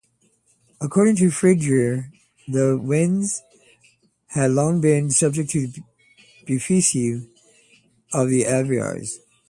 According to Fredegar, the "Wends" had long been subjects and "befulci" of the Avars.